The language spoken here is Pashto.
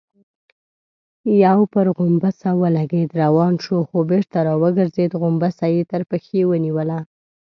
يو پر غومبسه ولګېد، روان شو، خو بېرته راوګرځېد، غومبسه يې تر پښې ونيوله.